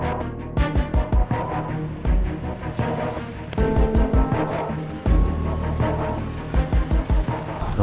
baik tunggu sekitar extended inima selama ini